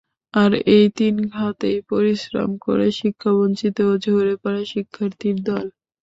আর এই তিন খাতেই পরিশ্রম করে শিক্ষাবঞ্চিত ও ঝরে পড়া শিক্ষার্থীর দল।